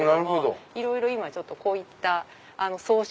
いろいろこういった装飾。